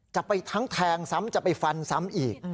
จะไปทั้งแทงซ้ำจะไปฟันซ้ำอีก